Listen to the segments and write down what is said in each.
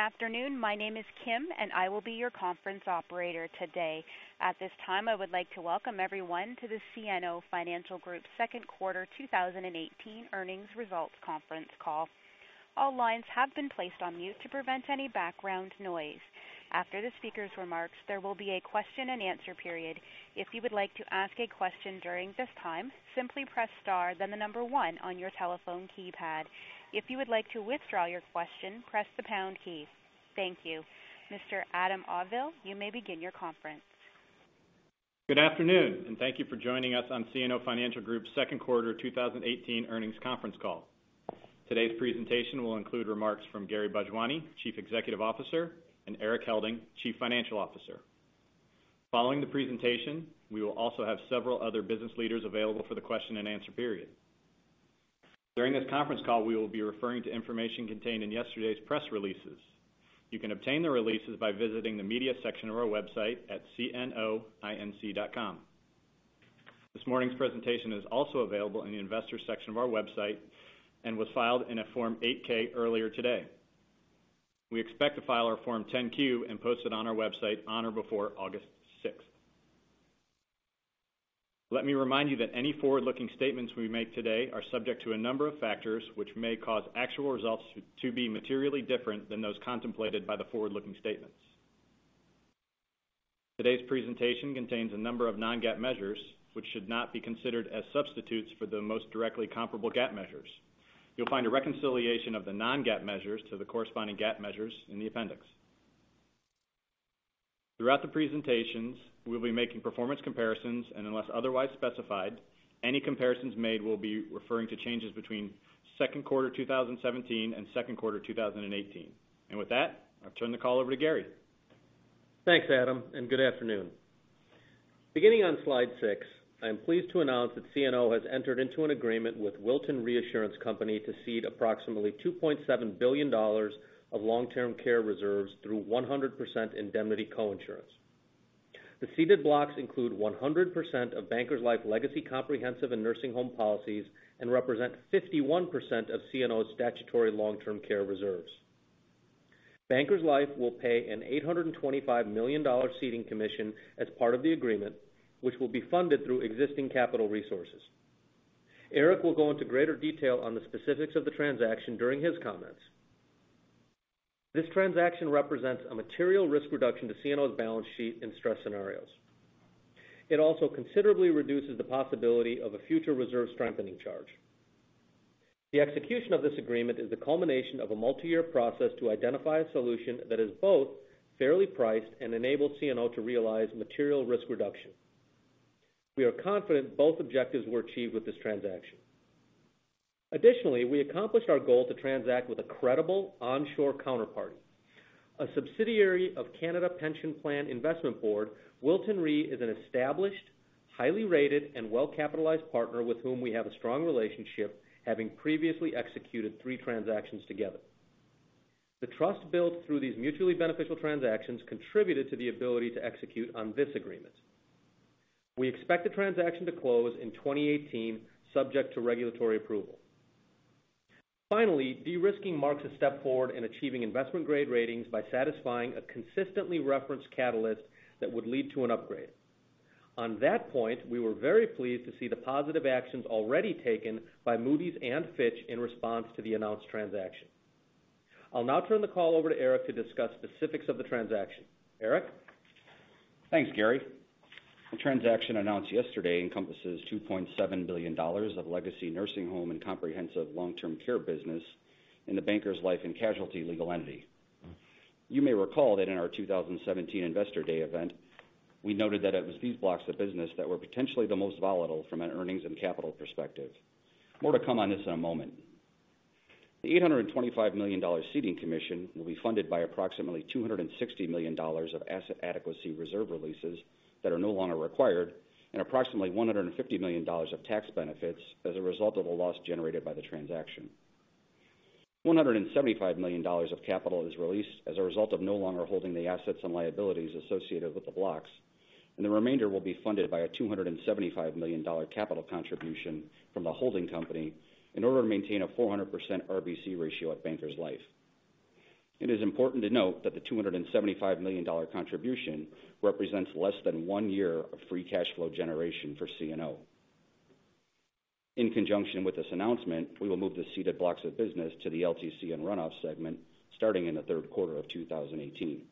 Afternoon. My name is Kim. I will be your conference operator today. At this time, I would like to welcome everyone to the CNO Financial Group second quarter 2018 earnings results conference call. All lines have been placed on mute to prevent any background noise. After the speaker's remarks, there will be a question and answer period. If you would like to ask a question during this time, simply press star, then the number 1 on your telephone keypad. If you would like to withdraw your question, press the pound key. Thank you. Mr. Adam Auvil, you may begin your conference. Good afternoon. Thank you for joining us on CNO Financial Group's second quarter 2018 earnings conference call. Today's presentation will include remarks from Gary Bhojwani, Chief Executive Officer, and Erik Helding, Chief Financial Officer. Following the presentation, we will also have several other business leaders available for the question and answer period. During this conference call, we will be referring to information contained in yesterday's press releases. You can obtain the releases by visiting the media section of our website at cnoinc.com. This morning's presentation is also available in the investors section of our website and was filed in a Form 8-K earlier today. We expect to file our Form 10-Q and post it on our website on or before August 6th. Let me remind you that any forward-looking statements we make today are subject to a number of factors which may cause actual results to be materially different than those contemplated by the forward-looking statements. Today's presentation contains a number of non-GAAP measures, which should not be considered as substitutes for the most directly comparable GAAP measures. You'll find a reconciliation of the non-GAAP measures to the corresponding GAAP measures in the appendix. Throughout the presentations, we'll be making performance comparisons. Unless otherwise specified, any comparisons made will be referring to changes between second quarter 2017 and second quarter 2018. With that, I'll turn the call over to Gary. Thanks, Adam. Good afternoon. Beginning on slide six, I am pleased to announce that CNO has entered into an agreement with Wilton Reassurance Company to cede approximately $2.7 billion of long-term care reserves through 100% indemnity coinsurance. The ceded blocks include 100% of Bankers Life legacy comprehensive and nursing home policies and represent 51% of CNO's statutory long-term care reserves. Bankers Life will pay an $825 million ceding commission as part of the agreement, which will be funded through existing capital resources. Erik will go into greater detail on the specifics of the transaction during his comments. This transaction represents a material risk reduction to CNO's balance sheet in stress scenarios. It also considerably reduces the possibility of a future reserve strengthening charge. The execution of this agreement is the culmination of a multi-year process to identify a solution that is both fairly priced and enables CNO to realize material risk reduction. We are confident both objectives were achieved with this transaction. Additionally, we accomplished our goal to transact with a credible onshore counterparty. A subsidiary of Canada Pension Plan Investment Board, Wilton Re is an established, highly rated, and well-capitalized partner with whom we have a strong relationship, having previously executed three transactions together. The trust built through these mutually beneficial transactions contributed to the ability to execute on this agreement. We expect the transaction to close in 2018, subject to regulatory approval. Finally, de-risking marks a step forward in achieving investment-grade ratings by satisfying a consistently referenced catalyst that would lead to an upgrade. On that point, we were very pleased to see the positive actions already taken by Moody's and Fitch in response to the announced transaction. I'll now turn the call over to Erik to discuss specifics of the transaction. Erik? Thanks, Gary. The transaction announced yesterday encompasses $2.7 billion of legacy nursing home and comprehensive long-term care business in the Bankers Life and Casualty legal entity. You may recall that in our 2017 Investor Day event, we noted that it was these blocks of business that were potentially the most volatile from an earnings and capital perspective. More to come on this in a moment. The $825 million ceding commission will be funded by approximately $260 million of asset adequacy reserve releases that are no longer required, and approximately $150 million of tax benefits as a result of a loss generated by the transaction. $175 million of capital is released as a result of no longer holding the assets and liabilities associated with the blocks, and the remainder will be funded by a $275 million capital contribution from the holding company in order to maintain a 400% RBC ratio at Bankers Life. It is important to note that the $275 million contribution represents less than one year of free cash flow generation for CNO. In conjunction with this announcement, we will move the ceded blocks of business to the LTC and runoff segment starting in the third quarter of 2018.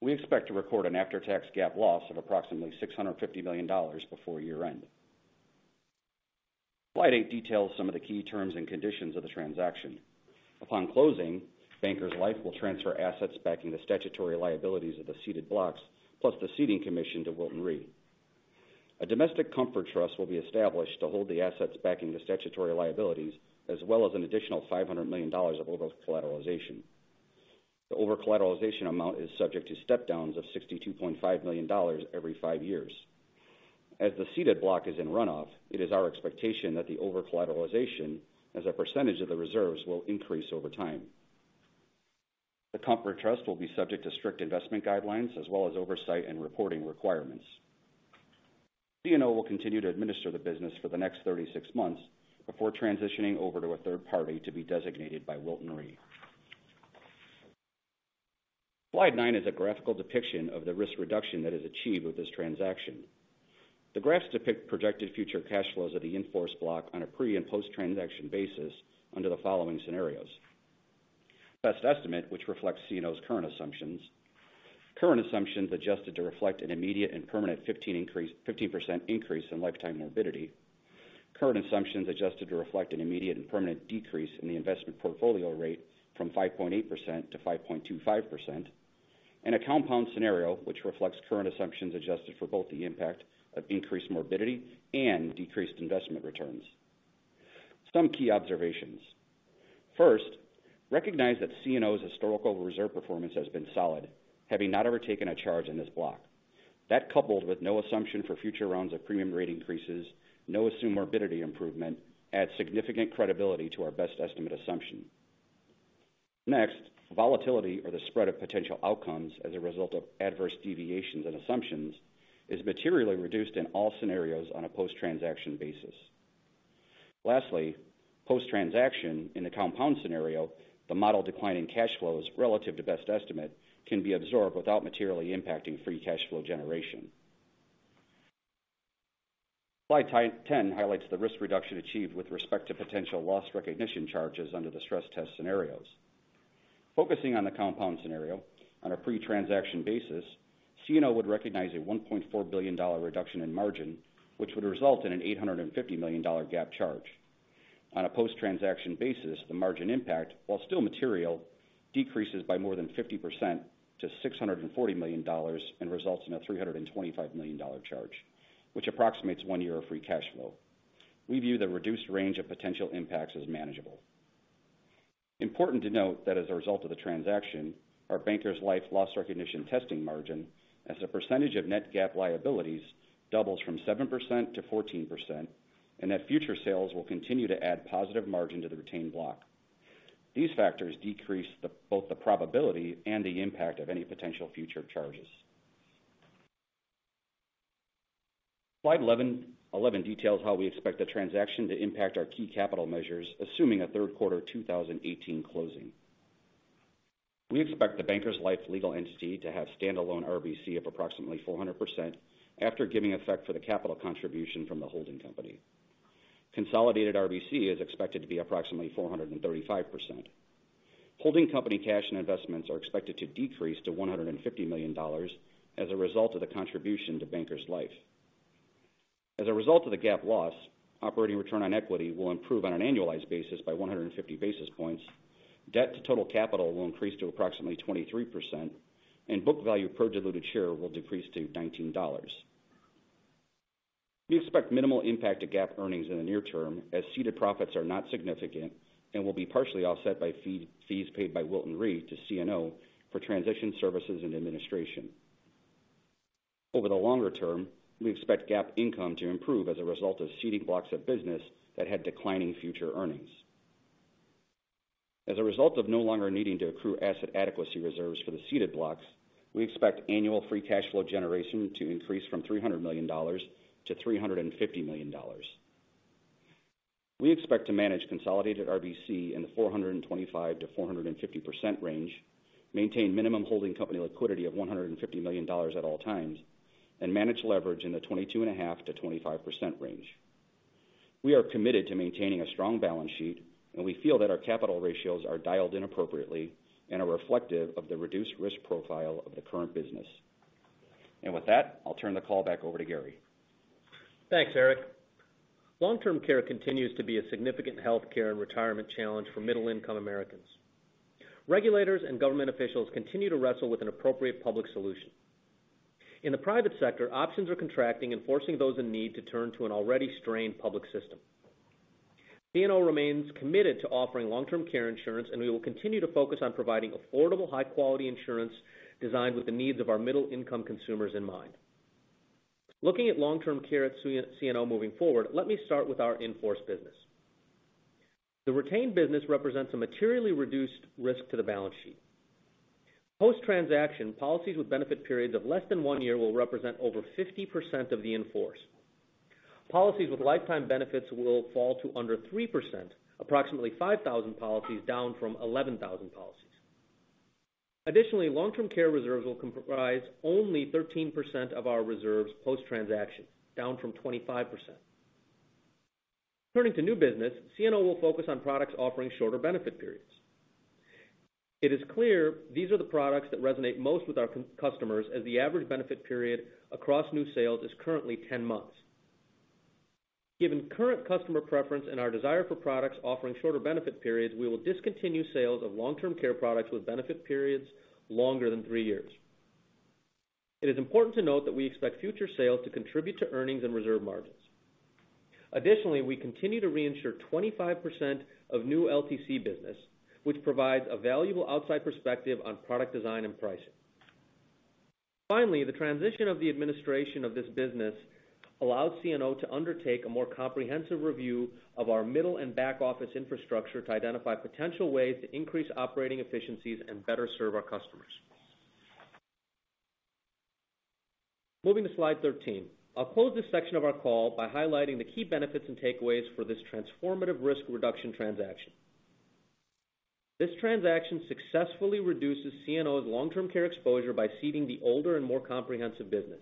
We expect to record an after-tax GAAP loss of approximately $650 million before year-end. Slide eight details some of the key terms and conditions of the transaction. Upon closing, Bankers Life will transfer assets backing the statutory liabilities of the ceded blocks, plus the ceding commission to Wilton Re. A domestic comfort trust will be established to hold the assets backing the statutory liabilities, as well as an additional $500 million of overcollateralization. The overcollateralization amount is subject to step downs of $62.5 million every five years. As the ceded block is in runoff, it is our expectation that the overcollateralization as a percentage of the reserves will increase over time. The comfort trust will be subject to strict investment guidelines as well as oversight and reporting requirements. CNO will continue to administer the business for the next 36 months before transitioning over to a third party to be designated by Wilton Re. Slide nine is a graphical depiction of the risk reduction that is achieved with this transaction. The graphs depict projected future cash flows of the in-force block on a pre- and post-transaction basis under the following scenarios. Best estimate, which reflects CNO's current assumptions. Current assumptions adjusted to reflect an immediate and permanent 15% increase in lifetime morbidity. Current assumptions adjusted to reflect an immediate and permanent decrease in the investment portfolio rate from 5.8% to 5.25%. A compound scenario, which reflects current assumptions adjusted for both the impact of increased morbidity and decreased investment returns. Some key observations. First, recognize that CNO's historical reserve performance has been solid, having not ever taken a charge in this block. That, coupled with no assumption for future rounds of premium rate increases, no assumed morbidity improvement, adds significant credibility to our best estimate assumption. Next, volatility or the spread of potential outcomes as a result of adverse deviations and assumptions is materially reduced in all scenarios on a post-transaction basis. Lastly, post-transaction, in the compound scenario, the model decline in cash flows relative to best estimate can be absorbed without materially impacting free cash flow generation. Slide 10 highlights the risk reduction achieved with respect to potential loss recognition charges under the stress test scenarios. Focusing on the compound scenario, on a pre-transaction basis, CNO would recognize a $1.4 billion reduction in margin, which would result in an $850 million GAAP charge. On a post-transaction basis, the margin impact, while still material, decreases by more than 50% to $640 million and results in a $325 million charge, which approximates one year of free cash flow. We view the reduced range of potential impacts as manageable. Important to note that as a result of the transaction, our Bankers Life loss recognition testing margin as a percentage of net GAAP liabilities doubles from 7%-14%, and that future sales will continue to add positive margin to the retained block. These factors decrease both the probability and the impact of any potential future charges. Slide 11 details how we expect the transaction to impact our key capital measures, assuming a third quarter 2018 closing. We expect the Bankers Life legal entity to have standalone RBC of approximately 400% after giving effect for the capital contribution from the holding company. Consolidated RBC is expected to be approximately 435%. Holding company cash and investments are expected to decrease to $150 million as a result of the contribution to Bankers Life. As a result of the GAAP loss, operating return on equity will improve on an annualized basis by 150 basis points, debt to total capital will increase to approximately 23%, and book value per diluted share will decrease to $19. We expect minimal impact to GAAP earnings in the near term, as ceded profits are not significant and will be partially offset by fees paid by Wilton Re to CNO for transition services and administration. Over the longer term, we expect GAAP income to improve as a result of ceding blocks of business that had declining future earnings. As a result of no longer needing to accrue asset adequacy reserves for the ceded blocks, we expect annual free cash flow generation to increase from $300 million to $350 million. We expect to manage consolidated RBC in the 425%-450% range, maintain minimum holding company liquidity of $150 million at all times, and manage leverage in the 22.5%-25% range. We are committed to maintaining a strong balance sheet, and we feel that our capital ratios are dialed in appropriately and are reflective of the reduced risk profile of the current business. With that, I'll turn the call back over to Gary. Thanks, Erik. Long-term care continues to be a significant healthcare and retirement challenge for middle-income Americans. Regulators and government officials continue to wrestle with an appropriate public solution. In the private sector, options are contracting and forcing those in need to turn to an already strained public system. CNO remains committed to offering long-term care insurance, and we will continue to focus on providing affordable, high-quality insurance designed with the needs of our middle-income consumers in mind. Looking at long-term care at CNO moving forward, let me start with our in-force business. The retained business represents a materially reduced risk to the balance sheet. Post-transaction, policies with benefit periods of less than one year will represent over 50% of the in-force. Policies with lifetime benefits will fall to under 3%, approximately 5,000 policies down from 11,000 policies. Additionally, long-term care reserves will comprise only 13% of our reserves post-transaction, down from 25%. Turning to new business, CNO will focus on products offering shorter benefit periods. It is clear these are the products that resonate most with our customers, as the average benefit period across new sales is currently 10 months. Given current customer preference and our desire for products offering shorter benefit periods, we will discontinue sales of long-term care products with benefit periods longer than three years. It is important to note that we expect future sales to contribute to earnings and reserve margins. Additionally, we continue to reinsure 25% of new LTC business, which provides a valuable outside perspective on product design and pricing. Finally, the transition of the administration of this business allowed CNO to undertake a more comprehensive review of our middle and back-office infrastructure to identify potential ways to increase operating efficiencies and better serve our customers. Moving to slide 13. I'll close this section of our call by highlighting the key benefits and takeaways for this transformative risk reduction transaction. This transaction successfully reduces CNO's long-term care exposure by ceding the older and more comprehensive business.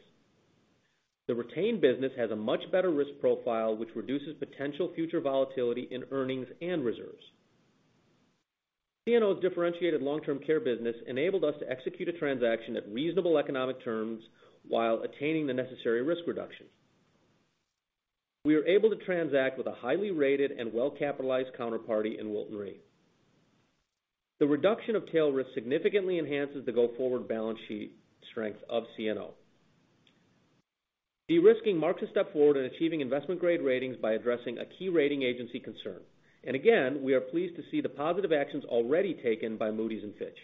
The retained business has a much better risk profile, which reduces potential future volatility in earnings and reserves. CNO's differentiated long-term care business enabled us to execute a transaction at reasonable economic terms while attaining the necessary risk reduction. We were able to transact with a highly rated and well-capitalized counterparty in Wilton Re. The reduction of tail risk significantly enhances the go-forward balance sheet strength of CNO. De-risking marks a step forward in achieving investment-grade ratings by addressing a key rating agency concern. Again, we are pleased to see the positive actions already taken by Moody's and Fitch.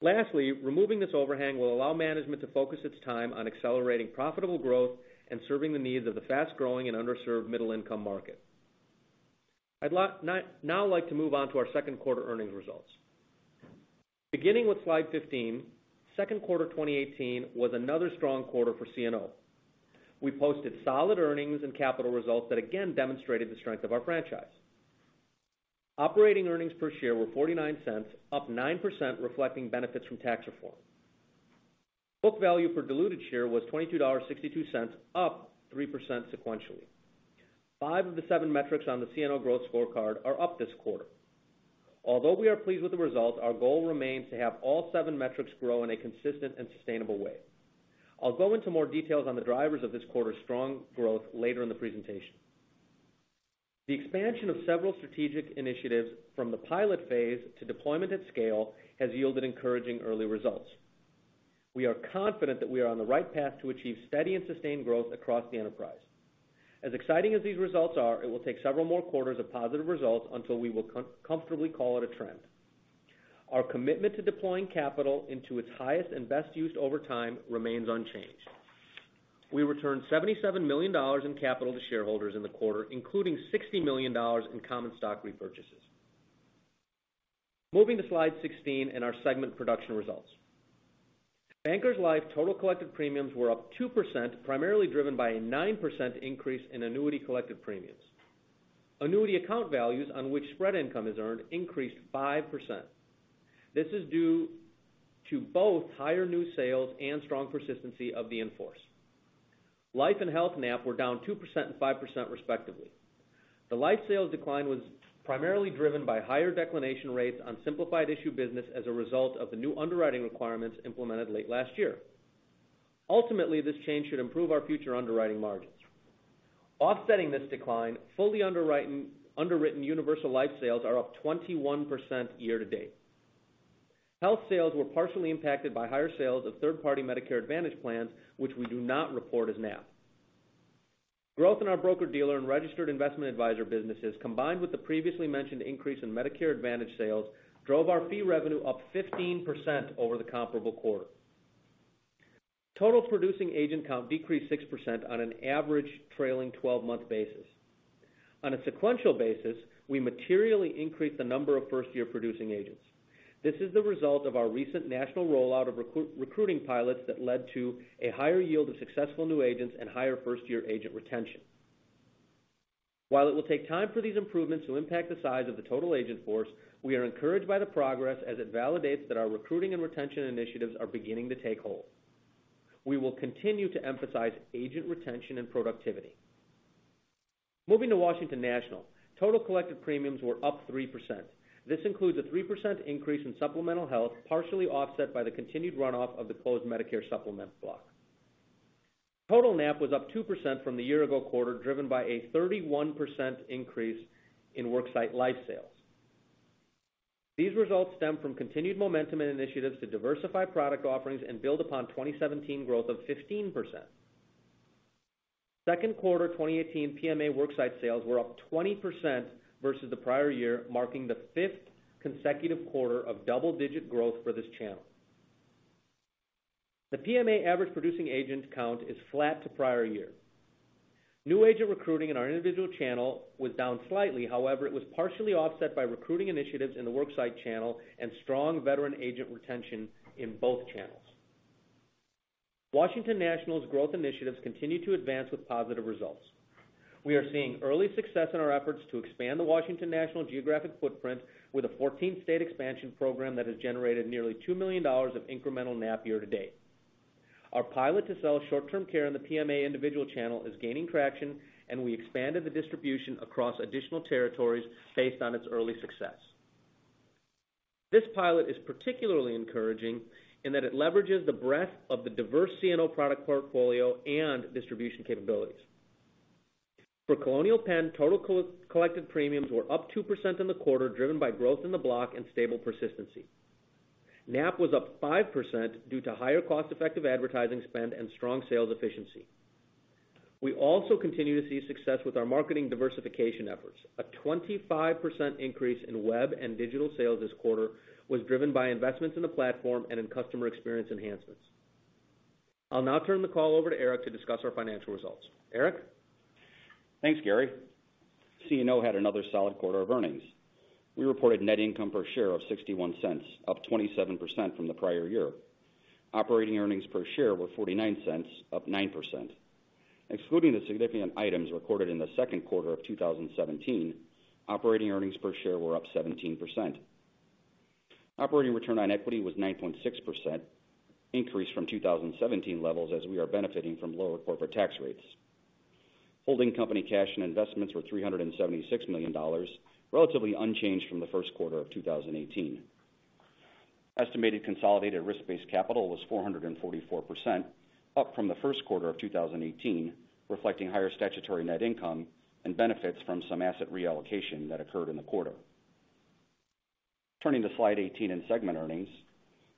Lastly, removing this overhang will allow management to focus its time on accelerating profitable growth and serving the needs of the fast-growing and underserved middle-income market. I'd now like to move on to our second quarter earnings results. Beginning with slide 15, second quarter 2018 was another strong quarter for CNO. We posted solid earnings and capital results that again demonstrated the strength of our franchise. Operating earnings per share were $0.49, up 9%, reflecting benefits from tax reform. Book value per diluted share was $22.62, up 3% sequentially. Five of the seven metrics on the CNO growth scorecard are up this quarter. Although we are pleased with the result, our goal remains to have all seven metrics grow in a consistent and sustainable way. I'll go into more details on the drivers of this quarter's strong growth later in the presentation. The expansion of several strategic initiatives from the pilot phase to deployment at scale has yielded encouraging early results. We are confident that we are on the right path to achieve steady and sustained growth across the enterprise. As exciting as these results are, it will take several more quarters of positive results until we will comfortably call it a trend. Our commitment to deploying capital into its highest and best use over time remains unchanged. We returned $77 million in capital to shareholders in the quarter, including $60 million in common stock repurchases. Moving to slide 16 and our segment production results. Bankers Life total collected premiums were up 2%, primarily driven by a 9% increase in annuity collected premiums. Annuity account values on which spread income is earned increased 5%. This is due to both higher new sales and strong persistency of the in-force. Life and health NAP were down 2% and 5%, respectively. The life sales decline was primarily driven by higher declination rates on simplified issue business as a result of the new underwriting requirements implemented late last year. Ultimately, this change should improve our future underwriting margins. Offsetting this decline, fully underwritten universal life sales are up 21% year to date. Health sales were partially impacted by higher sales of third-party Medicare Advantage plans, which we do not report as NAP. Growth in our broker-dealer and registered investment advisor businesses, combined with the previously mentioned increase in Medicare Advantage sales, drove our fee revenue up 15% over the comparable quarter. Total producing agent count decreased 6% on an average trailing 12-month basis. On a sequential basis, we materially increased the number of first-year producing agents. This is the result of our recent national rollout of recruiting pilots that led to a higher yield of successful new agents and higher first-year agent retention. While it will take time for these improvements to impact the size of the total agent force, we are encouraged by the progress as it validates that our recruiting and retention initiatives are beginning to take hold. We will continue to emphasize agent retention and productivity. Moving to Washington National. Total collected premiums were up 3%. This includes a 3% increase in supplemental health, partially offset by the continued runoff of the closed Medicare Supplement block. Total NAP was up 2% from the year ago quarter, driven by a 31% increase in worksite life sales. These results stem from continued momentum in initiatives to diversify product offerings and build upon 2017 growth of 15%. Second quarter 2018 PMA worksite sales were up 20% versus the prior year, marking the fifth consecutive quarter of double-digit growth for this channel. The PMA average producing agent count is flat to prior year. However, it was partially offset by recruiting initiatives in the worksite channel and strong veteran agent retention in both channels. Washington National's growth initiatives continue to advance with positive results. We are seeing early success in our efforts to expand the Washington National geographic footprint with a 14-state expansion program that has generated nearly $2 million of incremental NAP year to date. Our pilot to sell short-term care in the PMA individual channel is gaining traction. We expanded the distribution across additional territories based on its early success. This pilot is particularly encouraging in that it leverages the breadth of the diverse CNO product portfolio and distribution capabilities. For Colonial Penn, total collected premiums were up 2% in the quarter, driven by growth in the block and stable persistency. NAP was up 5% due to higher cost-effective advertising spend and strong sales efficiency. We also continue to see success with our marketing diversification efforts. A 25% increase in web and digital sales this quarter was driven by investments in the platform and in customer experience enhancements. I'll now turn the call over to Erik to discuss our financial results. Erik? Thanks, Gary. CNO had another solid quarter of earnings. We reported net income per share of $0.61, up 27% from the prior year. Operating earnings per share were $0.49, up 9%. Excluding the significant items recorded in the second quarter of 2017, operating earnings per share were up 17%. Operating return on equity was 9.6%, increased from 2017 levels as we are benefiting from lower corporate tax rates. Holding company cash and investments were $376 million, relatively unchanged from the first quarter of 2018. Estimated consolidated risk-based capital was 444%, up from the first quarter of 2018, reflecting higher statutory net income and benefits from some asset reallocation that occurred in the quarter. Turning to slide 18 in segment earnings,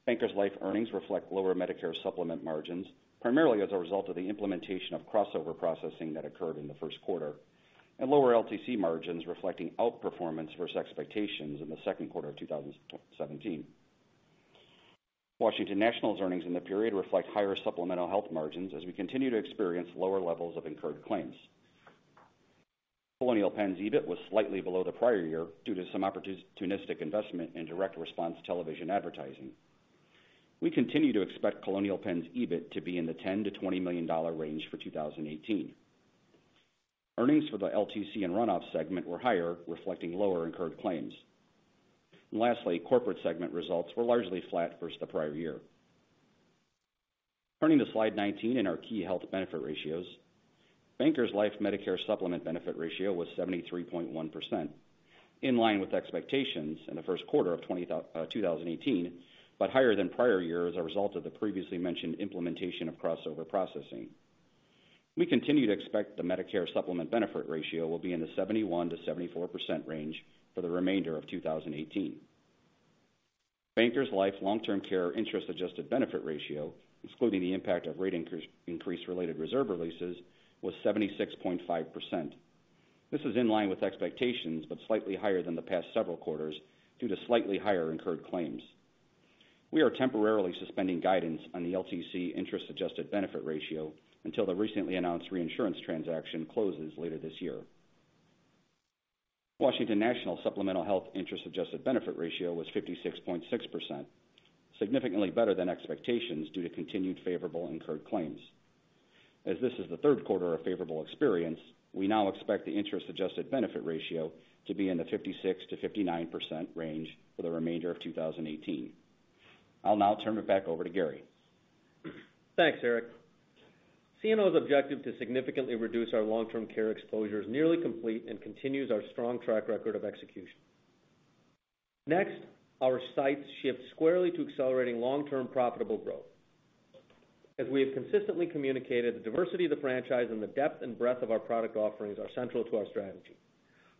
Bankers Life earnings reflect lower Medicare Supplement margins, primarily as a result of the implementation of crossover processing that occurred in the first quarter, and lower LTC margins reflecting outperformance versus expectations in the second quarter of 2017. Washington National's earnings in the period reflect higher supplemental health margins as we continue to experience lower levels of incurred claims. Colonial Penn's EBIT was slightly below the prior year due to some opportunistic investment in direct response television advertising. We continue to expect Colonial Penn's EBIT to be in the $10 million-$20 million range for 2018. Earnings for the LTC and runoff segment were higher, reflecting lower incurred claims. Lastly, corporate segment results were largely flat versus the prior year. Turning to slide 19 and our key health benefit ratios, Bankers Life Medicare Supplement benefit ratio was 73.1%, in line with expectations in the first quarter of 2018, but higher than prior years as a result of the previously mentioned implementation of crossover processing. We continue to expect the Medicare Supplement benefit ratio will be in the 71%-74% range for the remainder of 2018. Bankers Life long-term care interest-adjusted benefit ratio, excluding the impact of rate increase-related reserve releases, was 76.5%. This is in line with expectations but slightly higher than the past several quarters due to slightly higher incurred claims. We are temporarily suspending guidance on the LTC interest-adjusted benefit ratio until the recently announced reinsurance transaction closes later this year. Washington National supplemental health interest-adjusted benefit ratio was 56.6%, significantly better than expectations due to continued favorable incurred claims. As this is the third quarter of favorable experience, we now expect the interest-adjusted benefit ratio to be in the 56%-59% range for the remainder of 2018. I'll now turn it back over to Gary. Thanks, Erik. CNO's objective to significantly reduce our long-term care exposure is nearly complete and continues our strong track record of execution. Our sights shift squarely to accelerating long-term profitable growth. As we have consistently communicated, the diversity of the franchise and the depth and breadth of our product offerings are central to our strategy.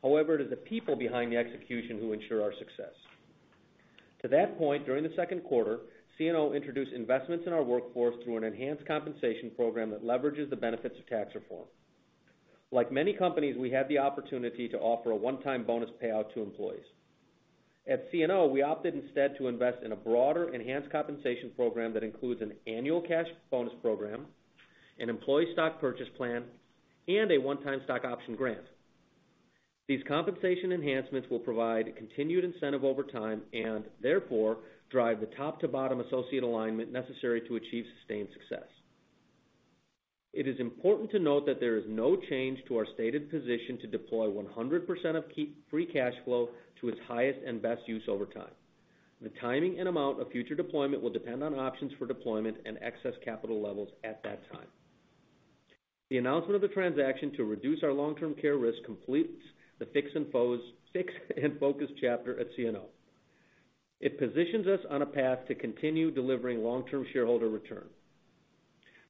It is the people behind the execution who ensure our success. To that point, during the second quarter, CNO introduced investments in our workforce through an enhanced compensation program that leverages the benefits of tax reform. Like many companies, we have the opportunity to offer a one-time bonus payout to employees. At CNO, we opted instead to invest in a broader enhanced compensation program that includes an annual cash bonus program, an employee stock purchase plan, and a one-time stock option grant. These compensation enhancements will provide continued incentive over time and therefore drive the top-to-bottom associate alignment necessary to achieve sustained success. It is important to note that there is no change to our stated position to deploy 100% of free cash flow to its highest and best use over time. The timing and amount of future deployment will depend on options for deployment and excess capital levels at that time. The announcement of the transaction to reduce our long-term care risk completes the fix and focus chapter at CNO. It positions us on a path to continue delivering long-term shareholder return.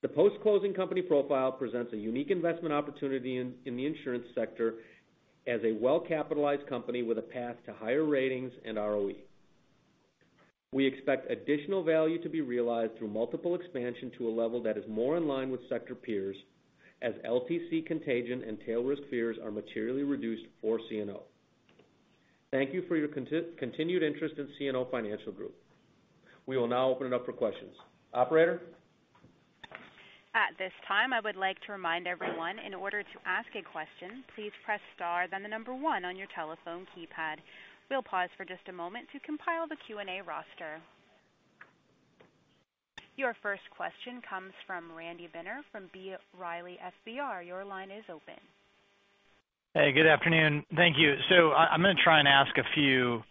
The post-closing company profile presents a unique investment opportunity in the insurance sector as a well-capitalized company with a path to higher ratings and ROE. We expect additional value to be realized through multiple expansion to a level that is more in line with sector peers as LTC contagion and tail risk fears are materially reduced for CNO. Thank you for your continued interest in CNO Financial Group. We will now open it up for questions. Operator? At this time, I would like to remind everyone, in order to ask a question, please press star then the number 1 on your telephone keypad. We'll pause for just a moment to compile the Q&A roster. Your first question comes from Randy Binner from B. Riley FBR. Your line is open. Good afternoon. Thank you. I'm going to try and ask a few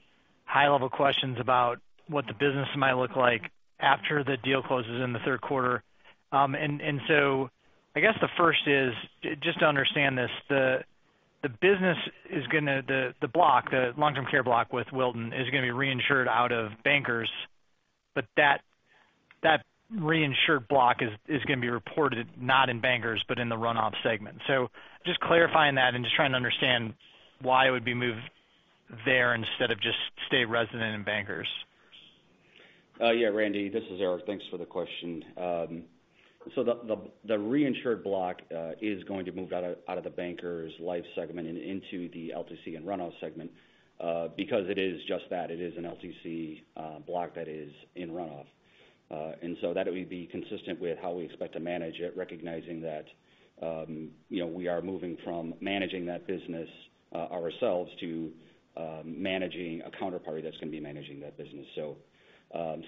high-level questions about what the business might look like after the deal closes in the third quarter. I guess the first is, just to understand this, the business, the long-term care block with Wilton, is going to be reinsured out of Bankers, but that reinsured block is going to be reported not in Bankers but in the runoff segment. Just clarifying that and just trying to understand why it would be moved there instead of just stay resident in Bankers. Yeah, Randy, this is Erik. Thanks for the question. The reinsured block is going to move out of the Bankers Life segment and into the LTC and Runoff segment because it is just that. It is an LTC block that is in runoff. That would be consistent with how we expect to manage it, recognizing that we are moving from managing that business ourselves to managing a counterparty that's going to be managing that business.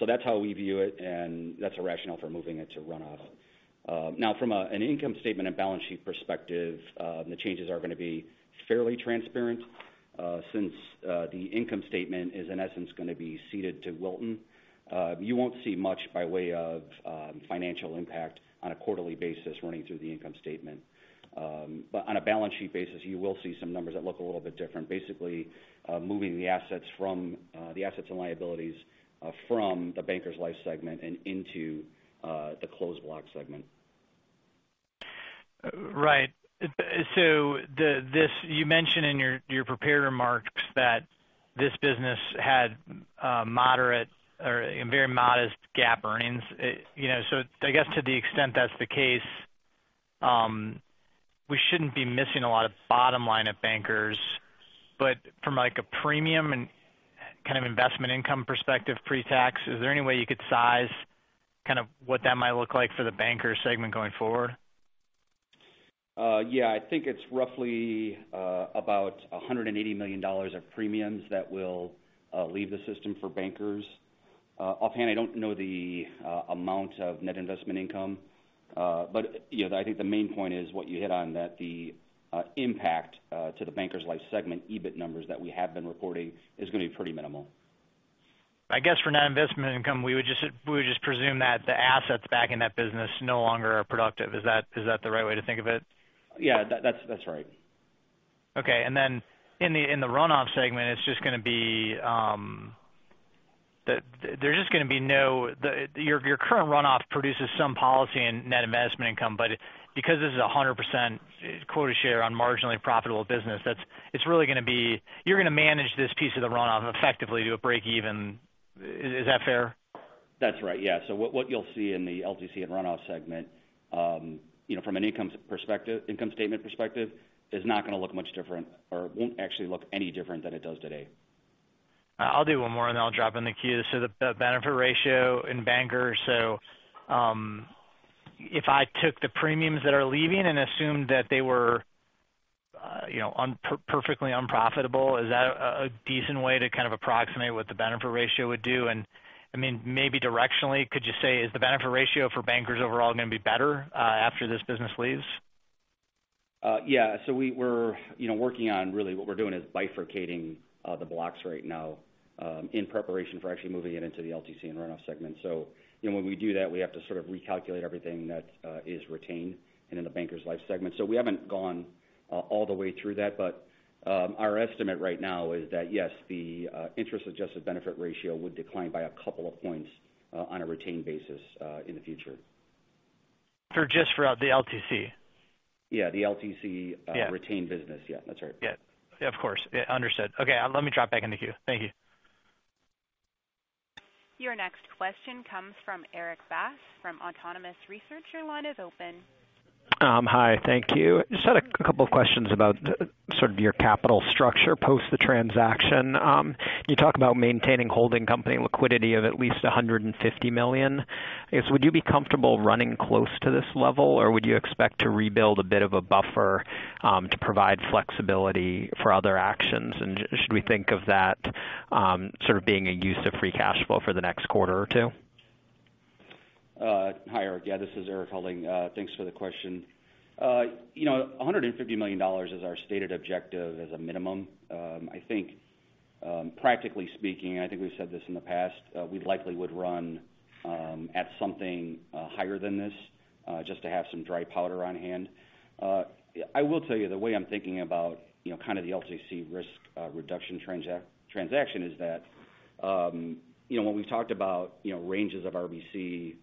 That's how we view it, and that's a rationale for moving it to runoff. Now, from an income statement and balance sheet perspective, the changes are going to be fairly transparent since the income statement is, in essence, going to be ceded to Wilton. You won't see much by way of financial impact on a quarterly basis running through the income statement. On a balance sheet basis, you will see some numbers that look a little bit different, basically moving the assets and liabilities from the Bankers Life segment and into the Closed Block segment. Right. You mentioned in your prepared remarks that this business had moderate or very modest GAAP earnings. I guess to the extent that's the case, we shouldn't be missing a lot of bottom line at Bankers. From a premium and kind of investment income perspective pretax, is there any way you could size what that might look like for the Bankers segment going forward? Yeah, I think it's roughly about $180 million of premiums that will leave the system for Bankers. Offhand, I don't know the amount of net investment income. I think the main point is what you hit on, that the impact to the Bankers Life segment EBIT numbers that we have been reporting is going to be pretty minimal. I guess for net investment income, we would just presume that the assets backing that business no longer are productive. Is that the right way to think of it? Yeah, that's right. Okay. Then in the runoff segment, your current runoff produces some policy in net investment income. Because this is 100% quota share on marginally profitable business, you're going to manage this piece of the runoff effectively to a break-even. Is that fair? That's right, yeah. What you'll see in the LTC and Runoff Segment, from an income statement perspective, is not going to look much different or won't actually look any different than it does today. I'll do one more, and then I'll drop in the queue. The benefit ratio in Bankers Life. If I took the premiums that are leaving and assumed that they were perfectly unprofitable, is that a decent way to kind of approximate what the benefit ratio would do? And maybe directionally, could you say, is the benefit ratio for Bankers Life overall going to be better after this business leaves? Yeah. We're working on, really what we're doing is bifurcating the blocks right now in preparation for actually moving it into the LTC and Runoff Segment. When we do that, we have to sort of recalculate everything that is retained and in the Bankers Life Segment. We haven't gone all the way through that. But our estimate right now is that, yes, the interest-adjusted benefit ratio would decline by a couple of points on a retained basis in the future. For just for the LTC? Yeah, the LTC retained business. Yeah, that's right. Yeah. Of course. Understood. Okay, let me drop back in the queue. Thank you. Your next question comes from Erik Bass from Autonomous Research. Your line is open. Hi. Thank you. Just had a couple of questions about sort of your capital structure post the transaction. You talk about maintaining holding company liquidity of at least $150 million. I guess, would you be comfortable running close to this level, or would you expect to rebuild a bit of a buffer to provide flexibility for other actions? Should we think of that sort of being a use of free cash flow for the next quarter or two? Hi, Erik. Yeah, this is Erik Helding. Thanks for the question. $150 million is our stated objective as a minimum. I think practically speaking, I think we've said this in the past, we likely would run at something higher than this just to have some dry powder on hand. I will tell you, the way I'm thinking about kind of the LTC risk reduction transaction is that when we talked about ranges of RBC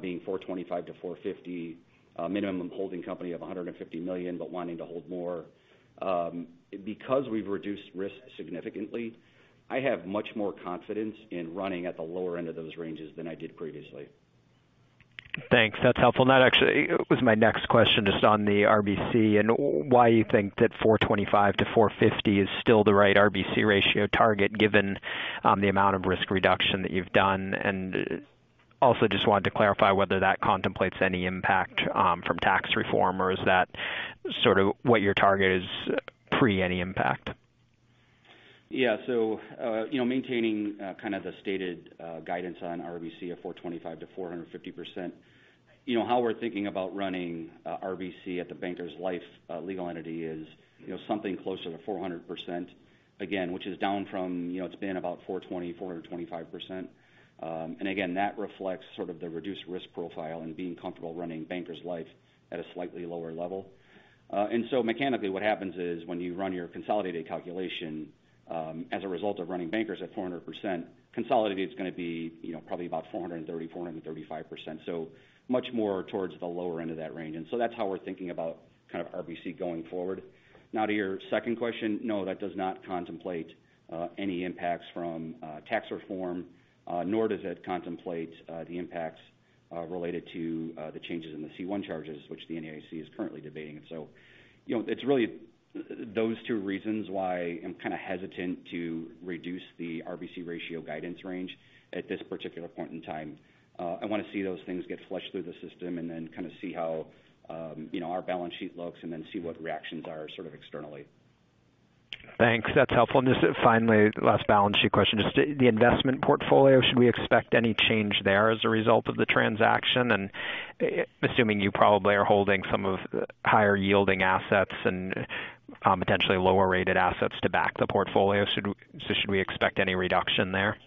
being 425 to 450, minimum holding company of $150 million, but wanting to hold more. Because we've reduced risk significantly, I have much more confidence in running at the lower end of those ranges than I did previously. Thanks. That's helpful. That actually was my next question just on the RBC and why you think that 425 to 450 is still the right RBC ratio target given the amount of risk reduction that you've done. Also just wanted to clarify whether that contemplates any impact from tax reform, or is that sort of what your target is pre any impact? Yeah. Maintaining kind of the stated guidance on RBC of 425%-450%. How we're thinking about running RBC at the Bankers Life legal entity is something closer to 400%, again, which is down from, it's been about 420%, 425%. Again, that reflects sort of the reduced risk profile and being comfortable running Bankers Life at a slightly lower level. Mechanically what happens is when you run your consolidated calculation as a result of running Bankers at 400%, consolidated's going to be probably about 430%, 435%. Much more towards the lower end of that range. That's how we're thinking about kind of RBC going forward. Now to your second question, no, that does not contemplate any impacts from tax reform nor does it contemplate the impacts related to the changes in the C1 charges, which the NAIC is currently debating. It's really those two reasons why I'm kind of hesitant to reduce the RBC ratio guidance range at this particular point in time. I want to see those things get flushed through the system and then kind of see how our balance sheet looks, and then see what the reactions are sort of externally. Thanks. That's helpful. Just finally, last balance sheet question. Just the investment portfolio, should we expect any change there as a result of the transaction? Assuming you probably are holding some of higher yielding assets and potentially lower rated assets to back the portfolio. Should we expect any reduction there?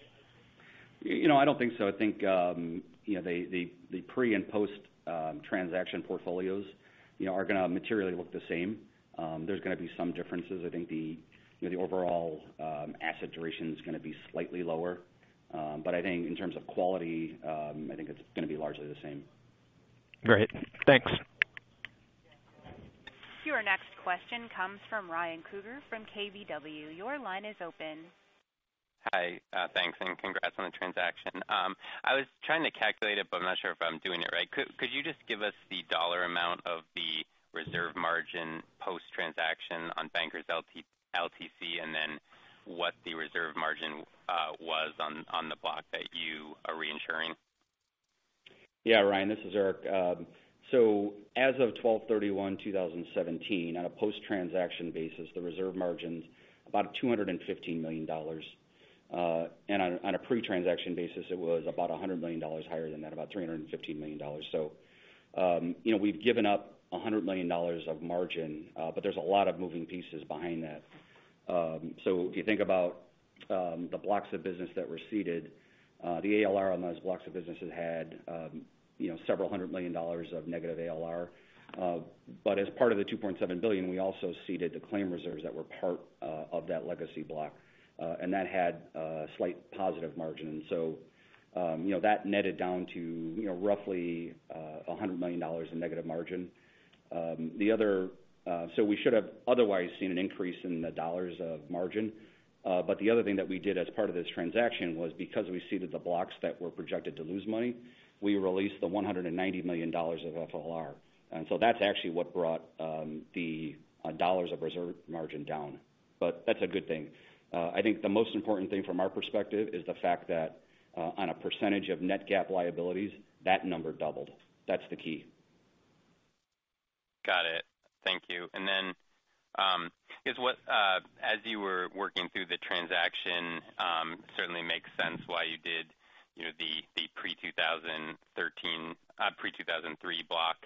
I don't think so. I think the pre- and post-transaction portfolios are going to materially look the same. There's going to be some differences. I think the overall asset duration's going to be slightly lower. I think in terms of quality, I think it's going to be largely the same. Great. Thanks. Your next question comes from Ryan Krueger from KBW. Your line is open. Hi, thanks and congrats on the transaction. I was trying to calculate it, but I'm not sure if I'm doing it right. Could you just give us the dollar amount of the reserve margin post-transaction on Bankers LTC, and then what the reserve margin was on the block that you are reinsuring? Yeah, Ryan, this is Erik. As of 12/31/2017 on a post-transaction basis, the reserve margin's about $215 million. On a pre-transaction basis, it was about $100 million higher than that, about $315 million. We've given up $100 million of margin, but there's a lot of moving pieces behind that. If you think about the blocks of business that were ceded, the ALR on those blocks of businesses had several hundred million dollars of negative ALR. As part of the $2.7 billion, we also ceded the claim reserves that were part of that legacy block, and that had a slight positive margin. That netted down to roughly $100 million in negative margin. We should have otherwise seen an increase in the dollars of margin. The other thing that we did as part of this transaction was because we ceded the blocks that were projected to lose money, we released the $190 million of [FLR]. That's actually what brought the dollars of reserve margin down. That's a good thing. I think the most important thing from our perspective is the fact that on a percentage of net GAAP liabilities, that number doubled. That's the key. Got it. Thank you. As you were working through the transaction, certainly makes sense why you did the pre-2003 block.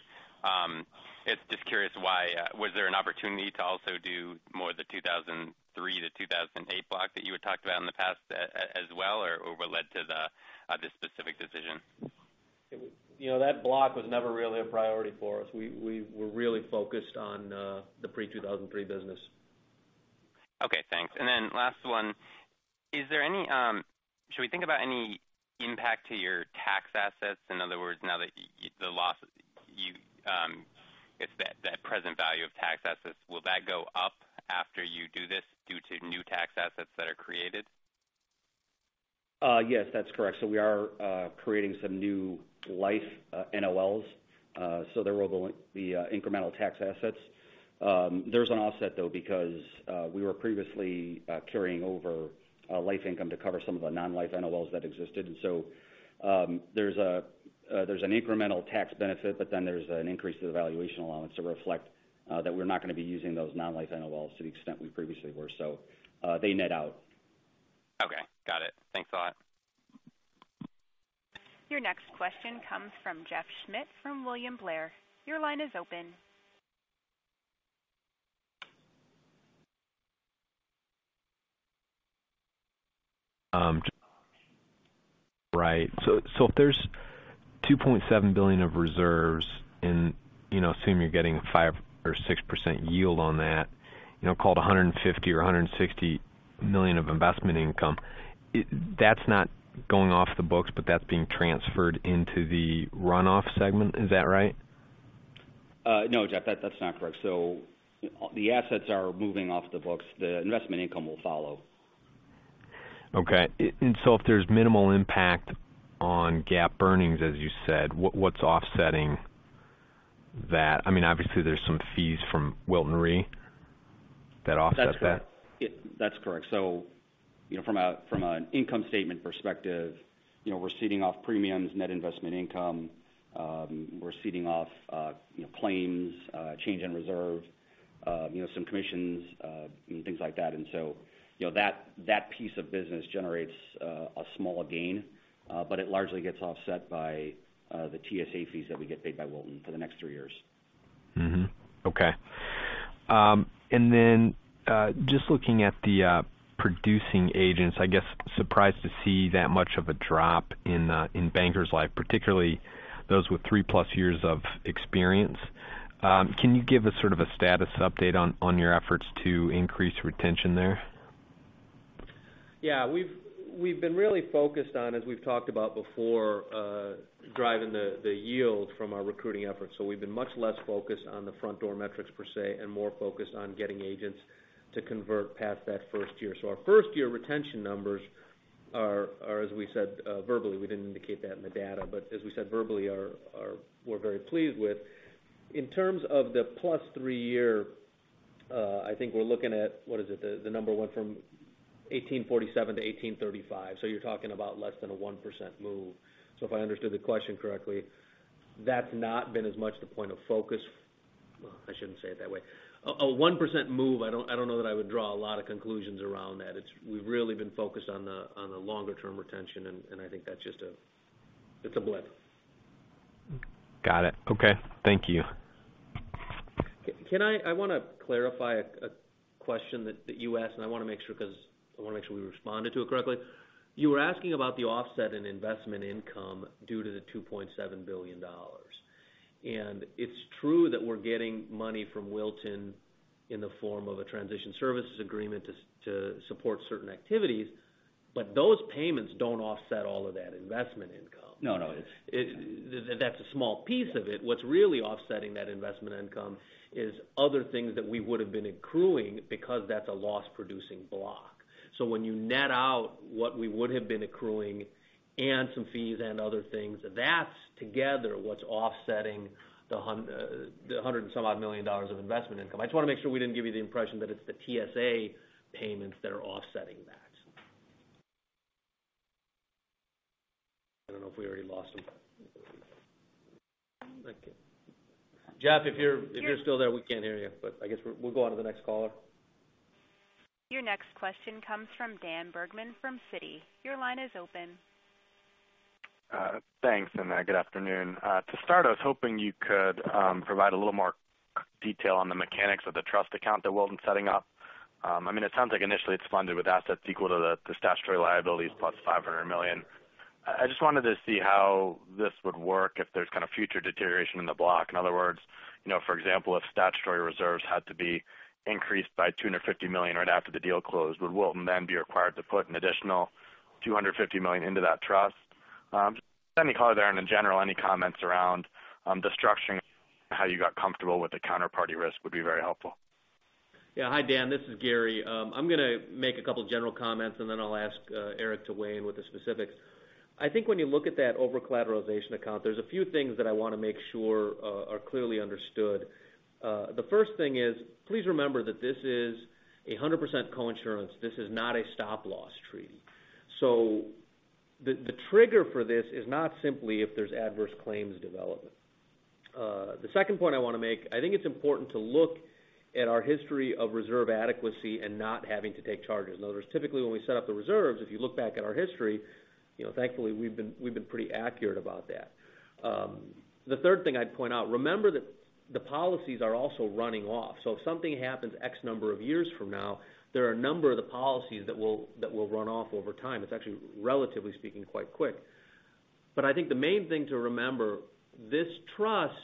Just curious why, was there an opportunity to also do more of the 2003 to 2008 block that you had talked about in the past as well? What led to this specific decision? That block was never really a priority for us. We're really focused on the pre-2003 business. Okay, thanks. Last one, should we think about any impact to your tax assets? In other words, now that the loss, if that present value of tax assets, will that go up after you do this due to new tax assets that are created? Yes, that's correct. We are creating some new life NOLs. There will be incremental tax assets. There's an offset though, because we were previously carrying over life income to cover some of the non-life NOLs that existed. There's an incremental tax benefit, there's an increase to the valuation allowance to reflect that we're not going to be using those non-life NOLs to the extent we previously were. They net out. Okay. Got it. Thanks a lot. Your next question comes from Jeff Schmitt from William Blair. Your line is open. Right. If there's $2.7 billion of reserves, assume you're getting 5% or 6% yield on that, call it $150 million or $160 million of investment income, that's not going off the books, that's being transferred into the runoff segment. Is that right? No, Jeff, that's not correct. The assets are moving off the books. The investment income will follow. Okay. If there's minimal impact on GAAP earnings, as you said, what's offsetting that? I mean, obviously there's some fees from Wilton Re that offset that? That's correct. From an income statement perspective, we're ceding off premiums, net investment income, we're ceding off claims, change in reserve, some commissions, and things like that. That piece of business generates a small gain. It largely gets offset by the TSA fees that we get paid by Wilton for the next three years. Mm-hmm. Okay. Just looking at the producing agents, I guess surprised to see that much of a drop in Bankers Life, particularly those with three-plus years of experience. Can you give a status update on your efforts to increase retention there? Yeah. We've been really focused on, as we've talked about before, driving the yield from our recruiting efforts. We've been much less focused on the front door metrics per se, and more focused on getting agents to convert past that first-year. Our first-year retention numbers are, as we said verbally, we didn't indicate that in the data, but as we said verbally, we're very pleased with. In terms of the plus three year, I think we're looking at, what is it? The number went from 1,847 to 1,835, so you're talking about less than a 1% move. If I understood the question correctly, that's not been as much the point of focus. Well, I shouldn't say it that way. A 1% move, I don't know that I would draw a lot of conclusions around that. We've really been focused on the longer-term retention, and I think that's just a blip. Got it. Okay. Thank you. I want to clarify a question that you asked, and I want to make sure because I want to make sure we responded to it correctly. You were asking about the offset in investment income due to the $2.7 billion. It's true that we're getting money from Wilton Re in the form of a transition services agreement to support certain activities, but those payments don't offset all of that investment income. No. That's a small piece of it. What's really offsetting that investment income is other things that we would've been accruing because that's a loss-producing block. When you net out what we would have been accruing and some fees and other things, that's together what's offsetting the $100 and some odd million dollars of investment income. I just want to make sure we didn't give you the impression that it's the TSA payments that are offsetting that. I don't know if we already lost him. Okay. Jeff, if you're still there, we can't hear you, but I guess we'll go on to the next caller. Your next question comes from Daniel Bergman from Citi. Your line is open. Thanks, and good afternoon. To start, I was hoping you could provide a little more detail on the mechanics of the trust account that Wilton's setting up. It sounds like initially it's funded with assets equal to the statutory liabilities plus $500 million. I just wanted to see how this would work if there's kind of future deterioration in the block. In other words, for example, if statutory reserves had to be increased by $250 million right after the deal closed, would Wilton then be required to put an additional $250 million into that trust? Just any color there, and in general, any comments around the structuring, how you got comfortable with the counterparty risk would be very helpful. Yeah. Hi, Dan. This is Gary. I'm going to make a couple general comments, and then I'll ask Erik to weigh in with the specifics. I think when you look at that overcollateralization account, there's a few things that I want to make sure are clearly understood. The first thing is, please remember that this is 100% coinsurance. This is not a stop-loss treaty. The trigger for this is not simply if there's adverse claims development. The second point I want to make, I think it's important to look at our history of reserve adequacy and not having to take charges. In other words, typically when we set up the reserves, if you look back at our history, thankfully we've been pretty accurate about that. The third thing I'd point out, remember that the policies are also running off. If something happens X number of years from now, there are a number of the policies that will run off over time. It's actually, relatively speaking, quite quick. I think the main thing to remember, this trust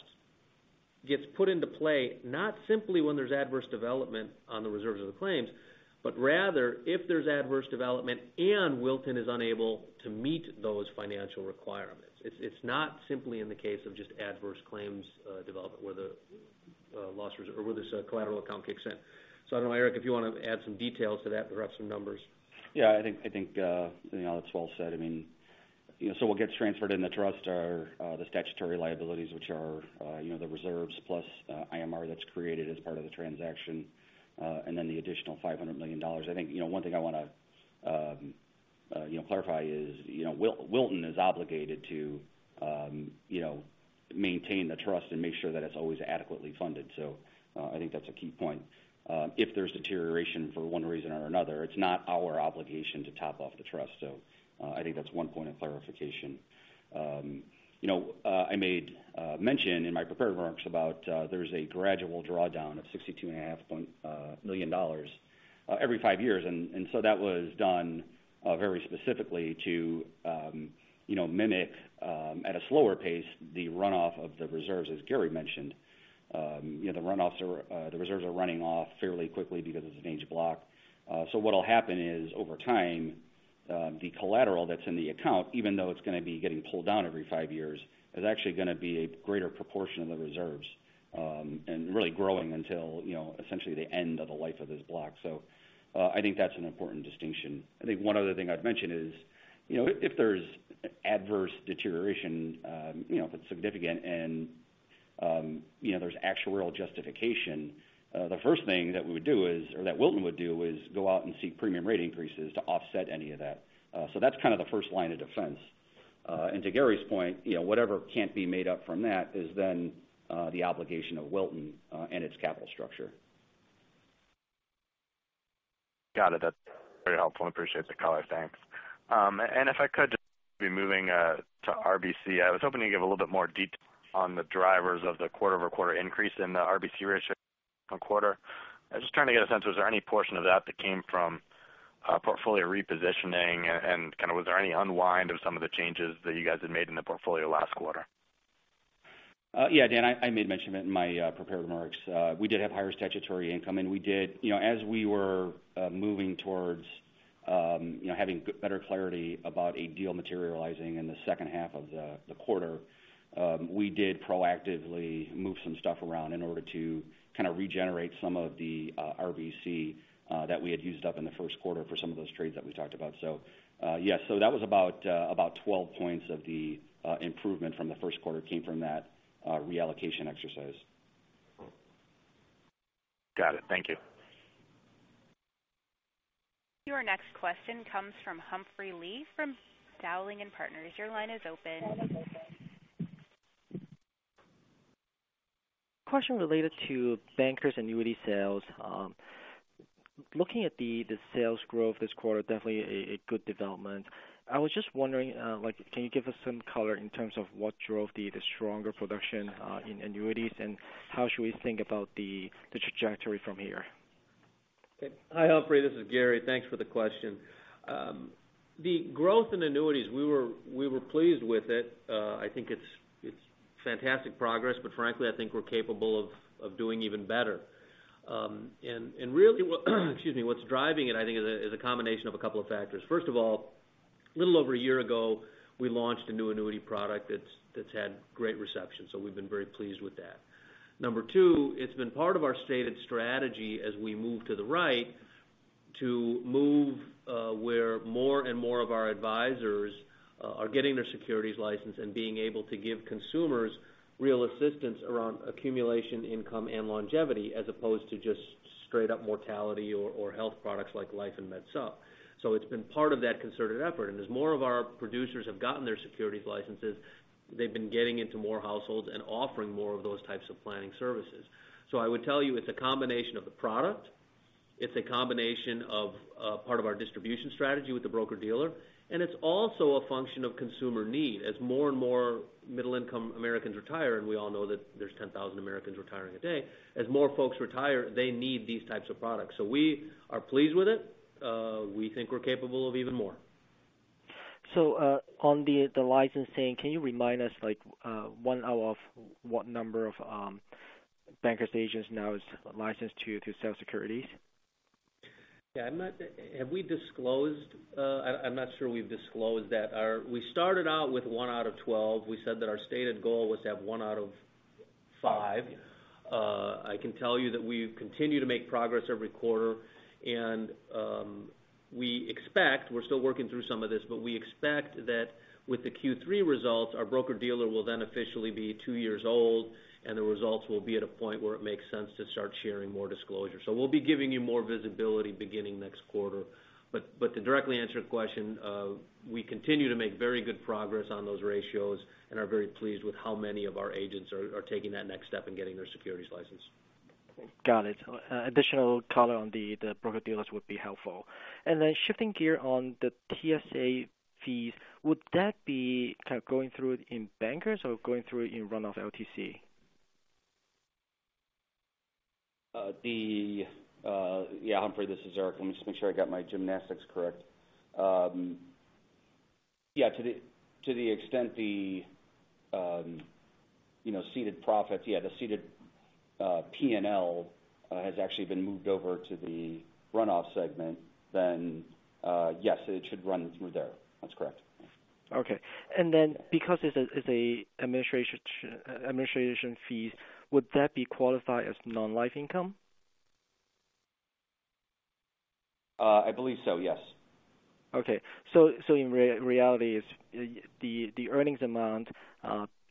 gets put into play not simply when there's adverse development on the reserves of the claims, but rather if there's adverse development and Wilton is unable to meet those financial requirements. It's not simply in the case of just adverse claims development where the losses or where this collateral account kicks in. I don't know, Erik, if you want to add some details to that, perhaps some numbers. Yeah, I think that's well said. What gets transferred in the trust are the statutory liabilities, which are the reserves plus IMR that's created as part of the transaction, and then the additional $500 million. I think one thing I want to clarify is Wilton is obligated to maintain the trust and make sure that it's always adequately funded. I think that's a key point. If there's deterioration for one reason or another, it's not our obligation to top off the trust. I think that's one point of clarification. I made mention in my prepared remarks about there's a gradual drawdown of $62.5 million every five years, that was done very specifically to mimic, at a slower pace, the runoff of the reserves, as Gary mentioned. The reserves are running off fairly quickly because it's an aged block. What'll happen is, over time, the collateral that's in the account, even though it's going to be getting pulled down every five years, is actually going to be a greater proportion of the reserves, and really growing until essentially the end of the life of this block. I think that's an important distinction. I think one other thing I'd mention is if there's adverse deterioration that's significant and there's actuarial justification, the first thing that we would do is, or that Wilton would do is go out and seek premium rate increases to offset any of that. That's kind of the first line of defense. To Gary's point, whatever can't be made up from that is then the obligation of Wilton and its capital structure. Got it. That's very helpful. Appreciate the color. Thanks. If I could, just be moving to RBC. I was hoping you'd give a little bit more detail on the drivers of the quarter-over-quarter increase in the RBC ratio. I was just trying to get a sense, was there any portion of that that came from portfolio repositioning and was there any unwind of some of the changes that you guys had made in the portfolio last quarter? Yeah, Dan, I made mention of it in my prepared remarks. We did have higher statutory income, and as we were moving towards having better clarity about a deal materializing in the second half of the quarter, we did proactively move some stuff around in order to regenerate some of the RBC that we had used up in the first quarter for some of those trades that we talked about. Yes, that was about 12 points of the improvement from the first quarter came from that reallocation exercise. Got it. Thank you. Your next question comes from Humphrey Lee from Dowling & Partners. Your line is open. Question related to Bankers Annuity sales. Looking at the sales growth this quarter, definitely a good development. I was just wondering, can you give us some color in terms of what drove the stronger production in annuities, and how should we think about the trajectory from here? Hi, Humphrey. This is Gary. Thanks for the question. The growth in annuities, we were pleased with it. I think it's fantastic progress, but frankly, I think we're capable of doing even better. Really what's driving it, I think, is a combination of a couple of factors. First of all, a little over a year ago, we launched a new annuity product that's had great reception, so we've been very pleased with that. Number 2, it's been part of our stated strategy as we move to the right to move where more and more of our advisors are getting their securities license and being able to give consumers real assistance around accumulation, income, and longevity, as opposed to just straight up mortality or health products like life and Med Supp. It's been part of that concerted effort. As more of our producers have gotten their securities licenses, they've been getting into more households and offering more of those types of planning services. I would tell you, it's a combination of the product, it's a combination of part of our distribution strategy with the broker-dealer, and it's also a function of consumer need. As more and more middle-income Americans retire, and we all know that there's 10,000 Americans retiring a day. As more folks retire, they need these types of products. We are pleased with it. We think we're capable of even more. On the licensing, can you remind us what number of Bankers agents now is licensed to sell securities? Have we disclosed? I'm not sure we've disclosed that. We started out with one out of 12. We said that our stated goal was to have one out of five. I can tell you that we continue to make progress every quarter, we expect, we're still working through some of this, we expect that with the Q3 results, our broker-dealer will then officially be two years old, and the results will be at a point where it makes sense to start sharing more disclosure. We'll be giving you more visibility beginning next quarter. To directly answer the question, we continue to make very good progress on those ratios and are very pleased with how many of our agents are taking that next step in getting their securities license. Got it. Additional color on the broker-dealers would be helpful. Shifting gear on the TSA fees, would that be kind of going through in Bankers or going through in runoff LTC? Humphrey, this is Erik. Let me just make sure I got my gymnastics correct. To the extent the seeded profit, the seeded P&L has actually been moved over to the runoff segment, then yes, it should run through there. That's correct. Okay. Because it's an administration fee, would that be qualified as non-life income? I believe so, yes. Okay. In reality, the earnings amount,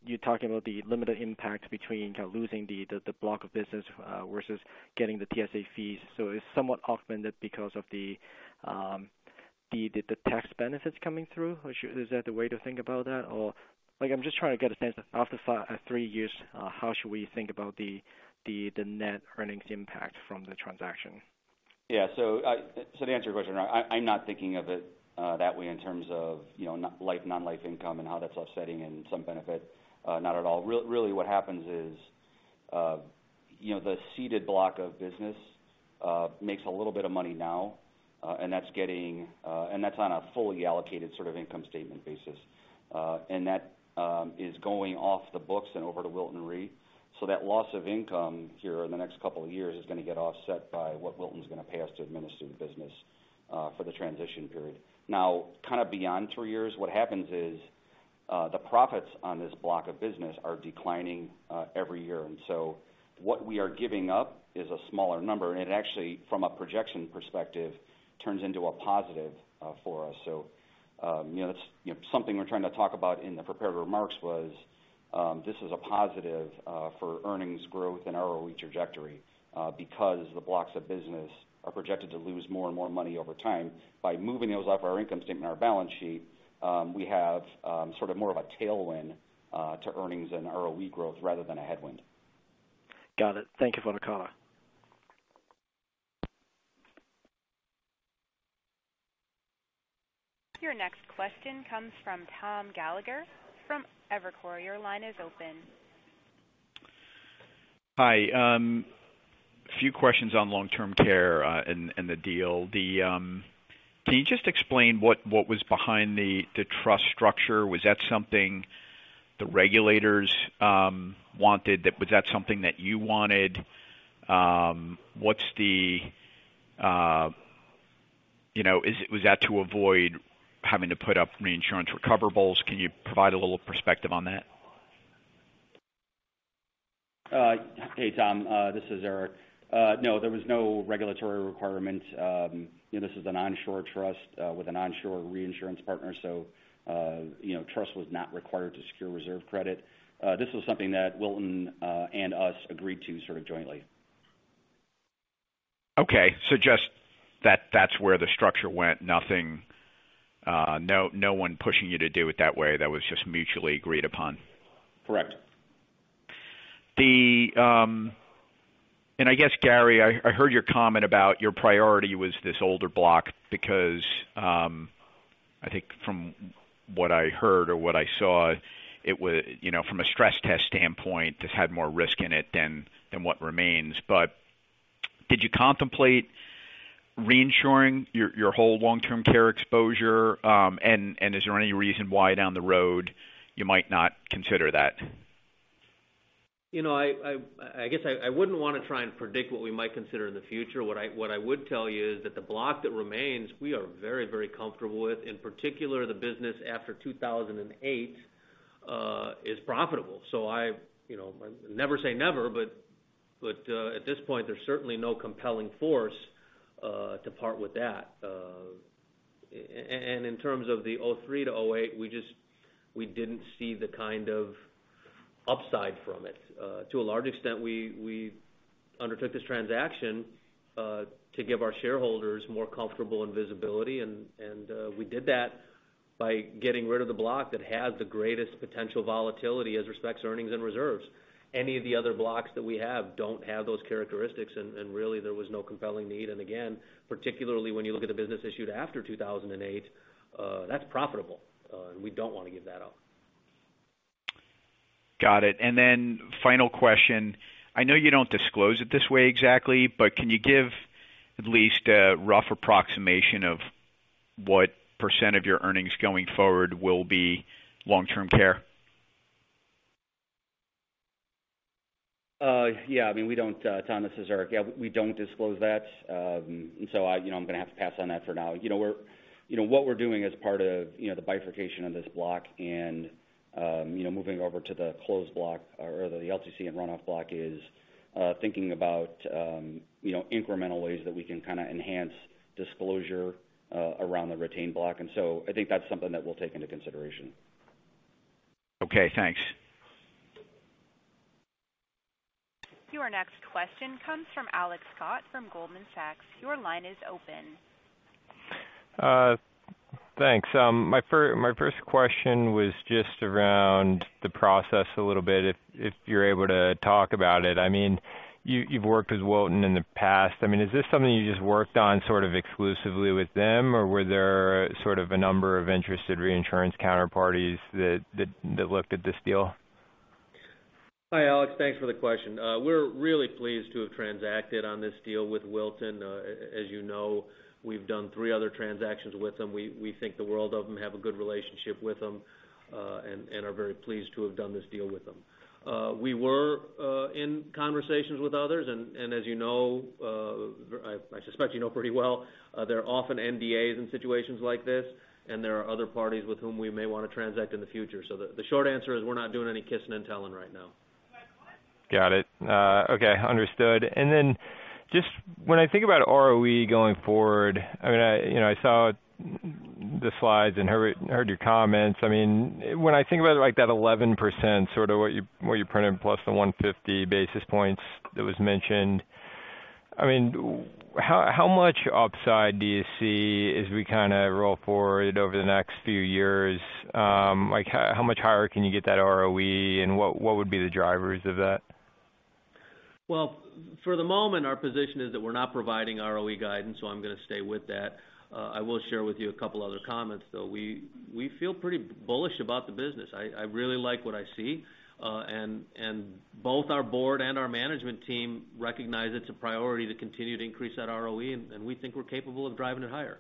you're talking about the limited impact between losing the block of business versus getting the TSA fees. It's somewhat augmented because of the tax benefits coming through. Is that the way to think about that? I'm just trying to get a sense of, after three years, how should we think about the net earnings impact from the transaction? Yeah. To answer your question, I'm not thinking of it that way in terms of life, non-life income and how that's offsetting in some benefit. Not at all. Really what happens is, the seeded block of business makes a little bit of money now, and that's on a fully allocated sort of income statement basis. That is going off the books and over to Wilton Re. That loss of income here in the next couple of years is going to get offset by what Wilton's going to pay us to administer the business for the transition period. Now, kind of beyond three years, what happens is, the profits on this block of business are declining every year, what we are giving up is a smaller number, and it actually, from a projection perspective, turns into a positive for us. That's something we are trying to talk about in the prepared remarks was, this is a positive for earnings growth and ROE trajectory, because the blocks of business are projected to lose more and more money over time. By moving those off our income statement and our balance sheet, we have sort of more of a tailwind to earnings and ROE growth rather than a headwind. Got it. Thank you for the color. Your next question comes from Thomas Gallagher from Evercore. Your line is open. Hi. A few questions on long-term care and the deal. Can you just explain what was behind the trust structure? Was that something the regulators wanted? Was that something that you wanted? Was that to avoid having to put up reinsurance recoverables? Can you provide a little perspective on that? Hey, Thomas. This is Erik. No, there was no regulatory requirement. This is an onshore trust with an onshore reinsurance partner, trust was not required to secure reserve credit. This was something that Wilton Re and us agreed to jointly. Okay. Just that's where the structure went. No one pushing you to do it that way, that was just mutually agreed upon. Correct. I guess, Gary, I heard your comment about your priority was this older block because I think from what I heard or what I saw, from a stress test standpoint, this had more risk in it than what remains. Did you contemplate reinsuring your whole long-term care exposure? Is there any reason why down the road you might not consider that? I guess I wouldn't want to try and predict what we might consider in the future. What I would tell you is that the block that remains, we are very, very comfortable with, in particular, the business after 2008 is profitable. Never say never, but at this point, there's certainly no compelling force to part with that. In terms of the 2003 to 2008, we didn't see the kind of upside from it. To a large extent, we undertook this transaction to give our shareholders more comfortable visibility, and we did that by getting rid of the block that had the greatest potential volatility as respects earnings and reserves. Any of the other blocks that we have don't have those characteristics, really, there was no compelling need. Again, particularly when you look at the business issued after 2008, that's profitable. We don't want to give that up. Got it. Final question. I know you don't disclose it this way exactly, but can you give at least a rough approximation of what % of your earnings going forward will be long-term care? Yeah, Tom, this is Erik. We don't disclose that. I'm going to have to pass on that for now. What we're doing as part of the bifurcation of this block and moving over to the closed block or the LTC and runoff block is thinking about incremental ways that we can enhance disclosure around the retained block, I think that's something that we'll take into consideration. Okay, thanks. Your next question comes from Alex Scott from Goldman Sachs. Your line is open. Thanks. My first question was just around the process a little bit, if you're able to talk about it. You've worked with Wilton in the past. Is this something you just worked on sort of exclusively with them, or were there sort of a number of interested reinsurance counterparties that looked at this deal? Hi, Alex. Thanks for the question. We're really pleased to have transacted on this deal with Wilton. As you know, we've done three other transactions with them. We think the world of them, have a good relationship with them, and are very pleased to have done this deal with them. As you know, I suspect you know pretty well, there are often NDAs in situations like this. There are other parties with whom we may want to transact in the future. The short answer is we're not doing any kissing and telling right now. Got it. Okay. Understood. When I think about ROE going forward, I saw the slides and heard your comments. When I think about that 11%, sort of what you printed plus the 150 basis points that was mentioned, how much upside do you see as we roll forward over the next few years? How much higher can you get that ROE? What would be the drivers of that? Well, for the moment, our position is that we're not providing ROE guidance. I'm going to stay with that. I will share with you a couple other comments, though. We feel pretty bullish about the business. I really like what I see. Both our board and our management team recognize it's a priority to continue to increase that ROE, and we think we're capable of driving it higher.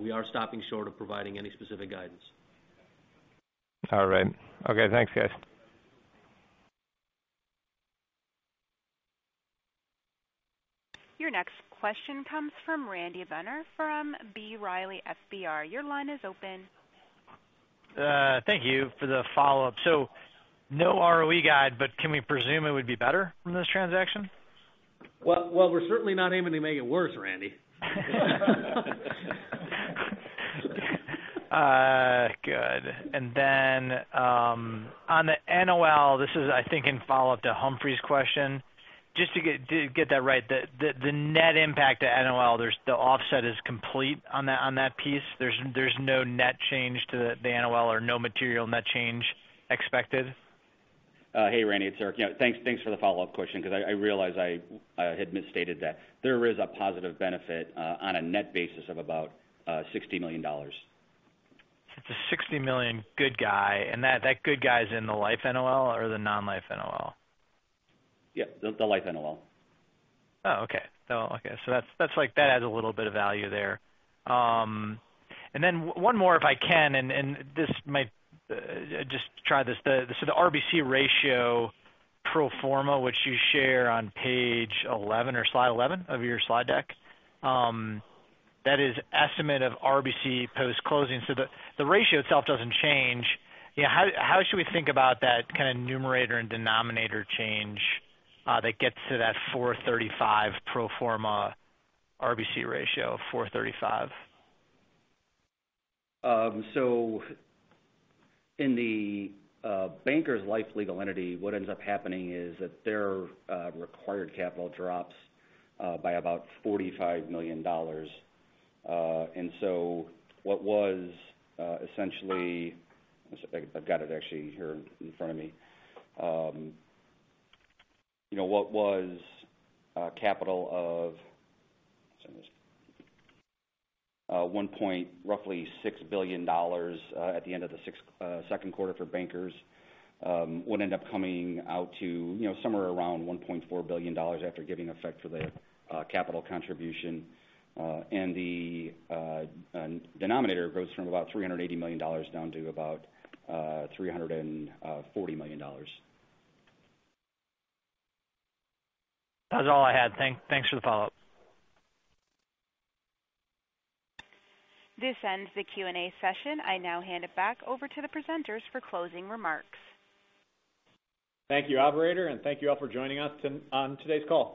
We are stopping short of providing any specific guidance. All right. Okay, thanks guys. Your next question comes from Randy Binner from B. Riley FBR. Your line is open. Thank you for the follow-up. No ROE guide, can we presume it would be better from this transaction? We're certainly not aiming to make it worse, Randy. On the NOL, this is I think in follow-up to Humphrey's question. Just to get that right, the net impact to NOL, the offset is complete on that piece? There's no net change to the NOL or no material net change expected? Hey, Randy, it's Erik. Thanks for the follow-up question, because I realize I had misstated that. There is a positive benefit on a net basis of about $60 million. It's a $60 million good guy, and that good guy is in the life NOL or the non-life NOL? Yep. The life NOL. Oh, okay. That adds a little bit of value there. One more, if I can, and just try this. The RBC ratio pro forma, which you share on page 11 or slide 11 of your slide deck, that is estimate of RBC post-closing. The ratio itself doesn't change. How should we think about that kind of numerator and denominator change that gets to that 435 pro forma RBC ratio of 435? In the Bankers Life legal entity, what ends up happening is that their required capital drops by about $45 million. I've got it actually here in front of me. What was capital of roughly $1.6 Billion at the end of the second quarter for Bankers would end up coming out to somewhere around $1.4 billion after giving effect for the capital contribution. The denominator goes from about $380 million down to about $340 million. That was all I had. Thanks for the follow-up. This ends the Q&A session. I now hand it back over to the presenters for closing remarks. Thank you, operator, and thank you all for joining us on today's call.